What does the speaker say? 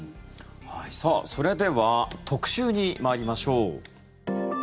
それでは特集に参りましょう。